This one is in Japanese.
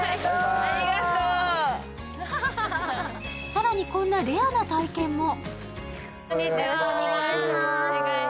更にこんなレアな体験も。